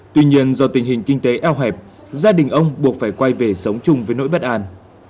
tuy nhiên do tình hình kinh tế eo hẹp gia đình ông buộc phải quay về sống chung với nỗi bất an